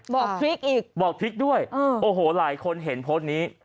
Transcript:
ทริคอีกบอกทริคด้วยโอ้โหหลายคนเห็นโพสต์นี้